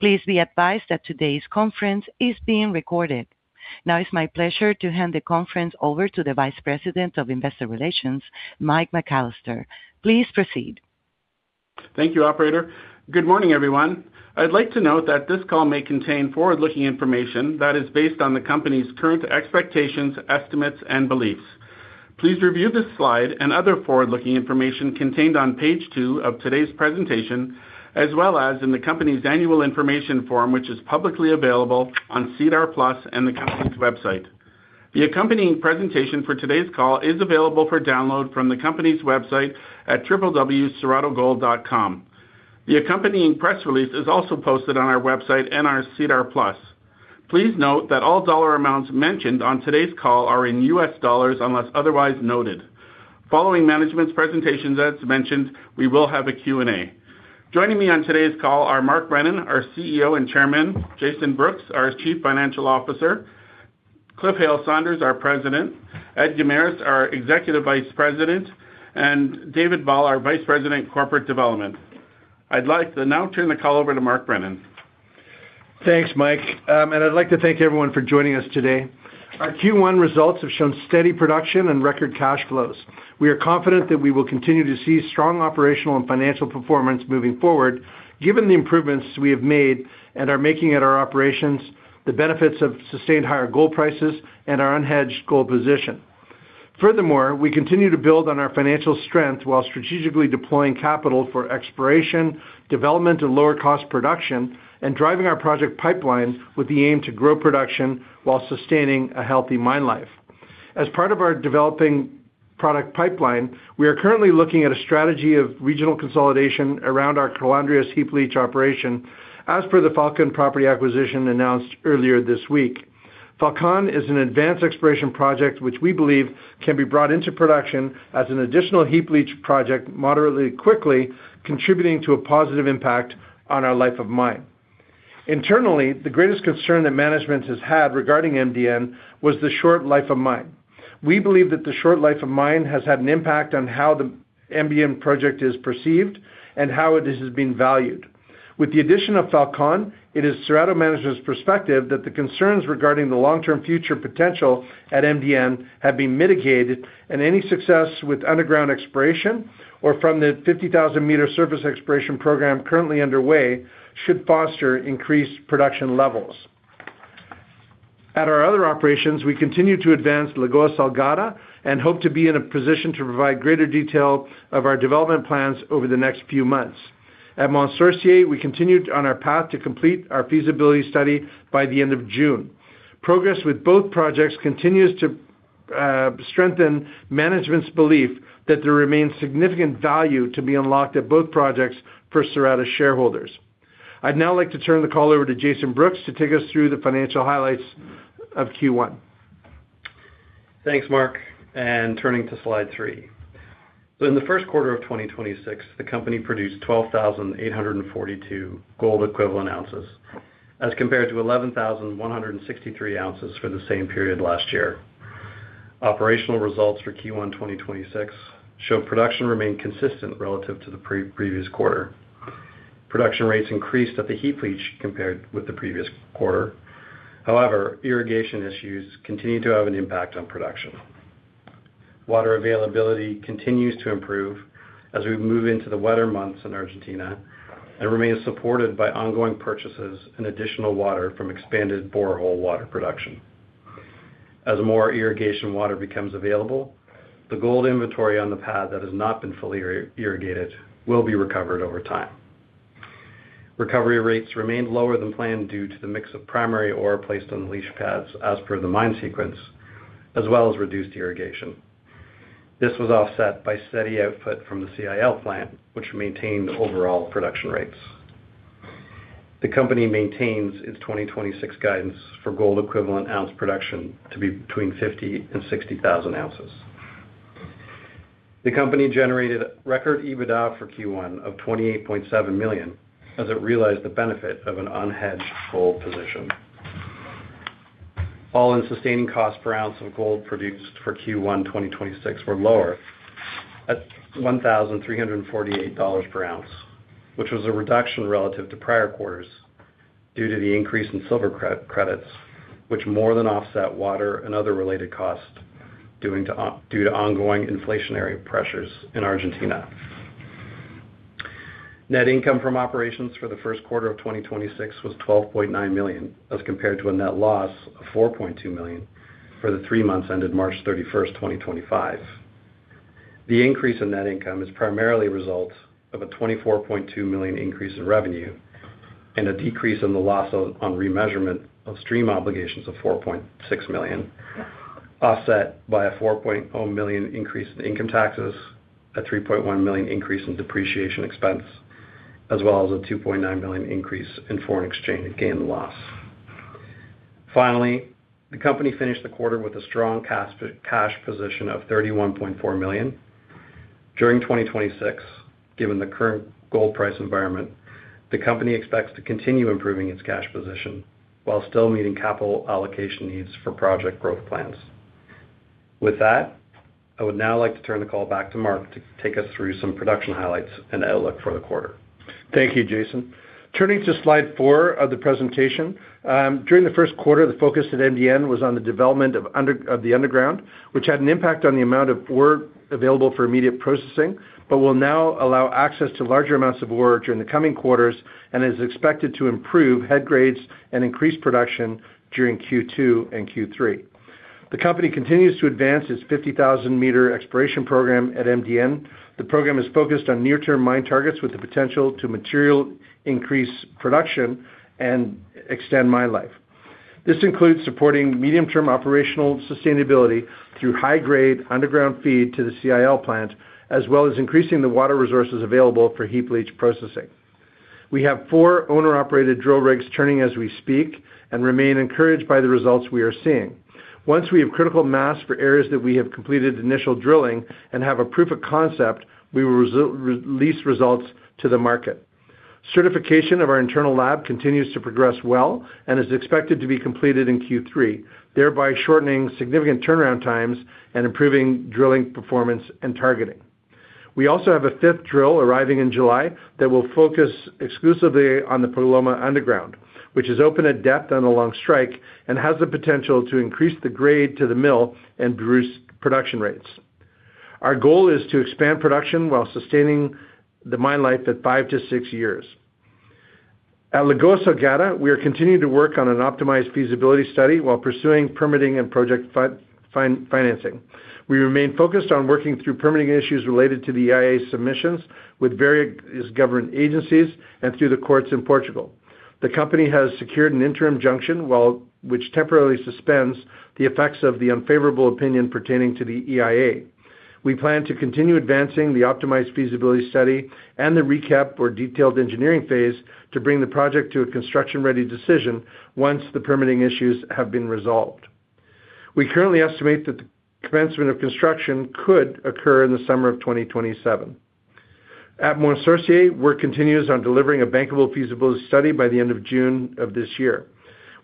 Please be advised that today's conference is being recorded. It's my pleasure to hand the conference over to the Vice President of Investor Relations, Mike McAllister. Please proceed. Thank you, operator. Good morning, everyone. I'd like to note that this call may contain forward-looking information that is based on the company's current expectations, estimates, and beliefs. Please review this slide and other forward-looking information contained on page two of today's presentation, as well as in the company's annual information form, which is publicly available on SEDAR+ and the company's website. The accompanying presentation for today's call is available for download from the company's website at www.cerradogold.com. The accompanying press release is also posted on our website and our SEDAR+. Please note that all dollar amounts mentioned on today's call are in U.S. dollars unless otherwise noted. Following management's presentations, as mentioned, we will have a Q&A. Joining me on today's call are Mark Brennan, our CEO and Chairman, Jason Brooks, our Chief Financial Officer, Cliff Hale-Sanders, our President, Ed Guimaraes, our Executive Vice President, and David Ball, our Vice President of Corporate Development. I'd like to now turn the call over to Mark Brennan. Thanks, Mike. I'd like to thank everyone for joining us today. Our Q1 results have shown steady production and record cash flows. We are confident that we will continue to see strong operational and financial performance moving forward, given the improvements we have made and are making at our operations, the benefits of sustained higher gold prices, and our unhedged gold position. Furthermore, we continue to build on our financial strength while strategically deploying capital for exploration, development and lower cost production, and driving our project pipeline with the aim to grow production while sustaining a healthy mine life. As part of our developing product pipeline, we are currently looking at a strategy of regional consolidation around our Calandrias heap leach operation as per the Falcon property acquisition announced earlier this week. Falcon is an advanced exploration project which we believe can be brought into production as an additional heap leach project moderately quickly, contributing to a positive impact on our life of mine. Internally, the greatest concern that management has had regarding MDN was the short life of mine. We believe that the short life of mine has had an impact on how the MDN project is perceived and how it has been valued. With the addition of Falcon, it is Cerrado management's perspective that the concerns regarding the long-term future potential at MDN have been mitigated, and any success with underground exploration or from the 50,000 m surface exploration program currently underway should foster increased production levels. At our other operations, we continue to advance Lagoa Salgada and hope to be in a position to provide greater detail of our development plans over the next few months. At Mont Sorcier, we continued on our path to complete our feasibility study by the end of June. Progress with both projects continues to strengthen management's belief that there remains significant value to be unlocked at both projects for Cerrado shareholders. I'd now like to turn the call over to Jason Brooks to take us through the financial highlights of Q1. Thanks, Mark. Turning to slide three. In the first quarter of 2026, the company produced 12,842 gold equivalent ounces as compared to 11,163 ounces for the same period last year. Operational results for Q1 2026 show production remained consistent relative to the previous quarter. Production rates increased at the heap leach compared with the previous quarter. However, irrigation issues continued to have an impact on production. Water availability continues to improve as we move into the wetter months in Argentina and remains supported by ongoing purchases and additional water from expanded borehole water production. As more irrigation water becomes available, the gold inventory on the pad that has not been fully irrigated will be recovered over time. Recovery rates remained lower than planned due to the mix of primary ore placed on the leach pads as per the mine sequence, as well as reduced irrigation. This was offset by steady output from the CIL plant, which maintained overall production rates. The company maintains its 2026 guidance for gold equivalent ounce production to be between 50,000 and 60,000 ounces. The company generated record EBITDA for Q1 of $28.7 million as it realized the benefit of an unhedged gold position. All-in sustaining cost per ounce of gold produced for Q1 2026 were lower at $1,348/ounce, which was a reduction relative to prior quarters due to the increase in silver credits, which more than offset water and other related costs due to ongoing inflationary pressures in Argentina. Net income from operations for the first quarter of 2026 was $12.9 million, as compared to a net loss of $4.2 million for the three months ended March 31st, 2025. The increase in net income is primarily a result of a $24.2 million increase in revenue and a decrease in the loss on remeasurement of stream obligations of $4.6 million, offset by a $4.0 million increase in income taxes, a $3.1 million increase in depreciation expense, as well as a $2.9 million increase in foreign exchange gain loss. Finally, the company finished the quarter with a strong cash position of $31.4 million. During 2026, given the current gold price environment, the company expects to continue improving its cash position while still meeting capital allocation needs for project growth plans. With that, I would now like to turn the call back to Mark to take us through some production highlights and outlook for the quarter. Thank you, Jason. Turning to slide four of the presentation. During the first quarter, the focus at MDN was on the development of the underground, which had an impact on the amount of ore available for immediate processing, but will now allow access to larger amounts of ore during the coming quarters and is expected to improve head grades and increase production during Q2 and Q3. The company continues to advance its 50,000 m exploration program at MDN. The program is focused on near-term mine targets with the potential to materially increase production and extend mine life. This includes supporting medium-term operational sustainability through high-grade underground feed to the CIL plant, as well as increasing the water resources available for heap leach processing. We have four owner-operated drill rigs turning as we speak and remain encouraged by the results we are seeing. Once we have critical mass for areas that we have completed initial drilling and have a proof of concept, we will release results to the market. Certification of our internal lab continues to progress well and is expected to be completed in Q3, thereby shortening significant turnaround times and improving drilling performance and targeting. We also have a fifth drill arriving in July that will focus exclusively on the Paloma underground, which is open at depth and along strike and has the potential to increase the grade to the mill and boost production rates. Our goal is to expand production while sustaining the mine life at five to six years. At Lagoa Salgada, we are continuing to work on an optimized feasibility study while pursuing permitting and project financing. We remain focused on working through permitting issues related to the EIA submissions with various government agencies and through the courts in Portugal. The company has secured an interim injunction which temporarily suspends the effects of the unfavorable opinion pertaining to the EIA. We plan to continue advancing the optimized feasibility study and the RECAPE for detailed engineering phase to bring the project to a construction-ready decision, once the permitting issues have been resolved. We currently estimate that the commencement of construction could occur in the summer of 2027. At Mont Sorcier, work continues on delivering a bankable feasibility study by the end of June of this year.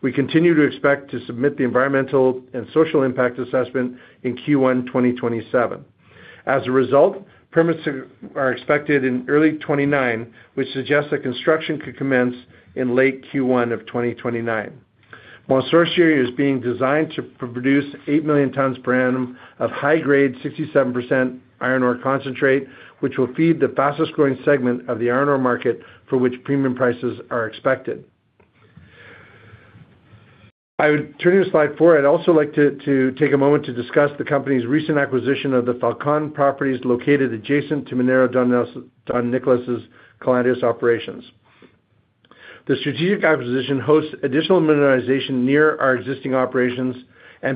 We continue to expect to submit the environmental and social impact assessment in Q1 2027. As a result, permits are expected in early 2029, which suggests that construction could commence in late Q1 of 2029. Mont Sorcier is being designed to produce 8 million tons/annum of high-grade 67% iron ore concentrate, which will feed the fastest-growing segment of the iron ore market, for which premium prices are expected. Turning to slide four, I'd also like to take a moment to discuss the company's recent acquisition of the Falcon Properties located adjacent to Minera Don Nicolás' Las Calandrias operations. The strategic acquisition hosts additional mineralization near our existing operations.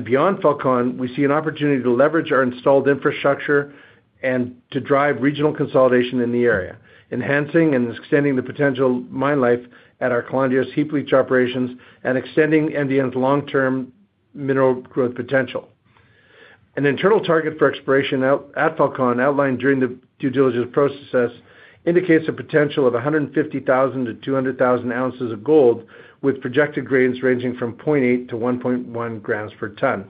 Beyond Falcon, we see an opportunity to leverage our installed infrastructure and to drive regional consolidation in the area, enhancing and extending the potential mine life at our Las Calandrias heap leach operations and extending MDN's long-term mineral growth potential. An internal target for exploration at Falcon outlined during the due diligence process indicates the potential of 150,000 to 200,000 ounces of gold, with projected grades ranging from 0.8 g/ton-1.1 g/ton.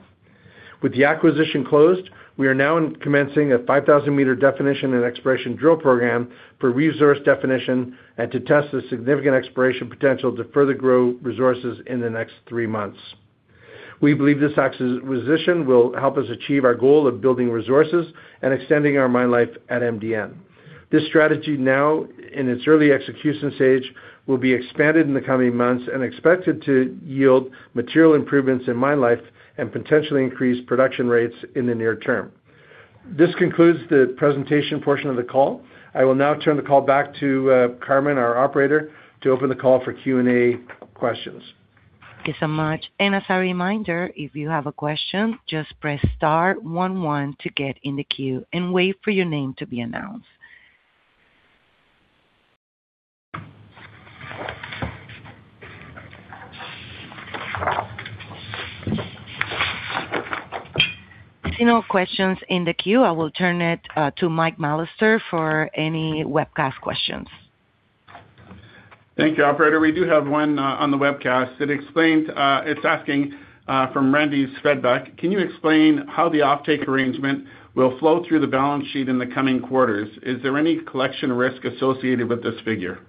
With the acquisition closed, we are now commencing a 5,000 m definition and exploration drill program for resource definition and to test the significant exploration potential to further grow resources in the next three months. We believe this acquisition will help us achieve our goal of building resources and extending our mine life at MDN. This strategy, now in its early execution stage, will be expanded in the coming months and expected to yield material improvements in mine life and potentially increase production rates in the near term. This concludes the presentation portion of the call. I will now turn the call back to Carmen, our operator, to open the call for Q&A questions. Thank you so much. As a reminder, if you have a question, just press star one one to get in the queue and wait for your name to be announced. Seeing no questions in the queue, I will turn it to Mike McAllister for any webcast questions. Thank you, Operator. We do have one on the webcast. It's asking from Randy Svedbeck, "Can you explain how the offtake arrangement will flow through the balance sheet in the coming quarters? Is there any collection risk associated with this figure?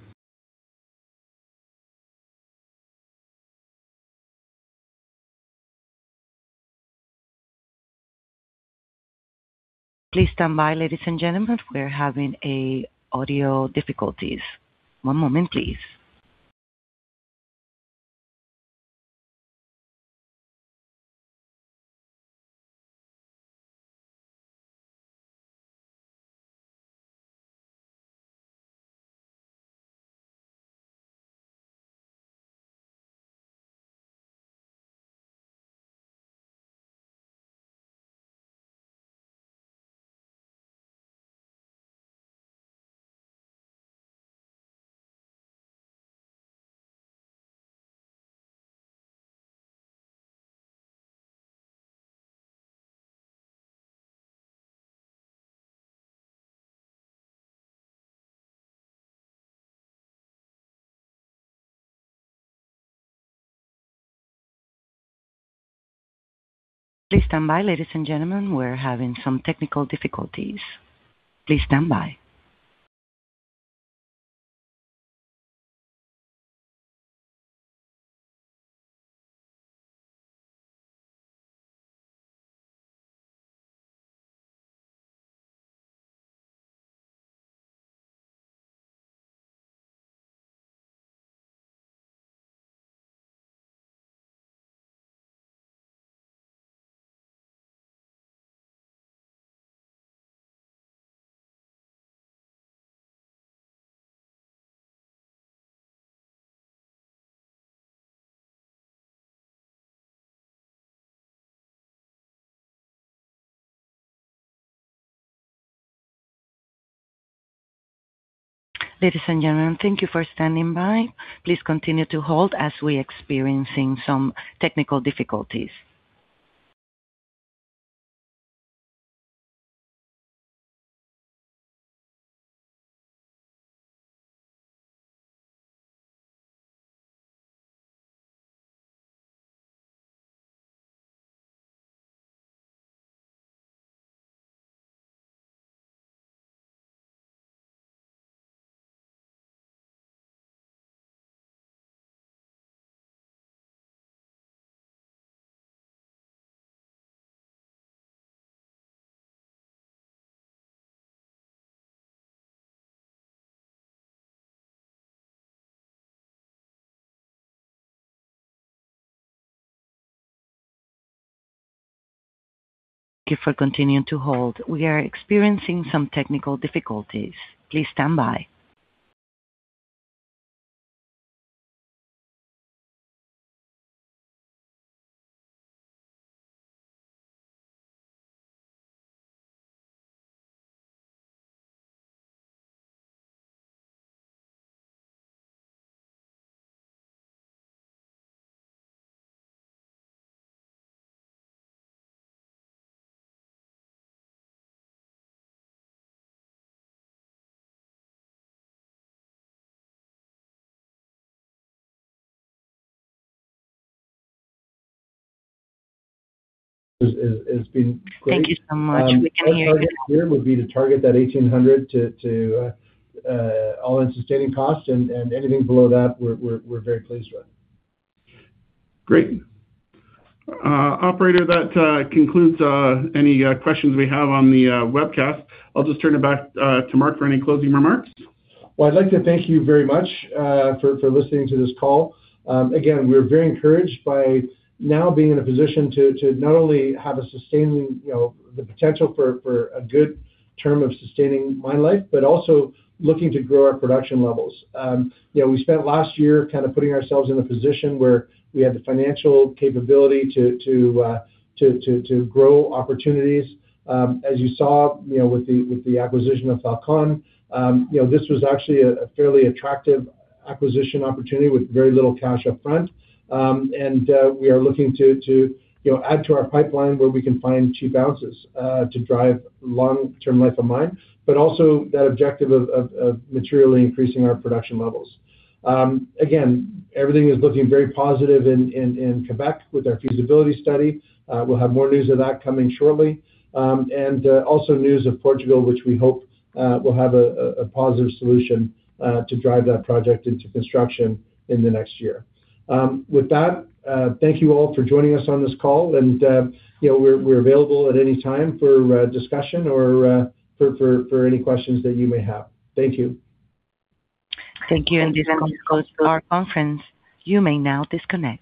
Our target here would be to target that $1,800 to all-in sustaining costs, and anything below that we're very pleased with. Great. Operator, that concludes any questions we have on the webcast. I'll just turn it back to Mark for any closing remarks. Well, I'd like to thank you very much for listening to this call. Again, we're very encouraged by now being in a position to not only have the potential for a good term of sustaining mine life, but also looking to grow our production levels. We spent last year putting ourselves in a position where we had the financial capability to grow opportunities. As you saw with the acquisition of Falcon, this was actually a fairly attractive acquisition opportunity with very little cash up front. We are looking to add to our pipeline where we can find new ounces to drive long-term life of mine, but also that objective of materially increasing our production levels. Again, everything is looking very positive in Quebec with our feasibility study. We'll have more news of that coming shortly. Also news of Portugal, which we hope will have a positive solution to drive that project into construction in the next year. With that, thank you all for joining us on this call, and we're available at any time for a discussion or for any questions that you may have. Thank you. Thank you. This concludes our conference. You may now disconnect.